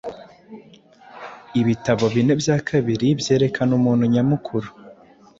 Ibitabo bine bya kabiri byerekana umuntu nyamukuru